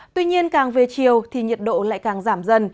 tuy nhiên càng về chiều thì nhiệt độ lại càng giảm dần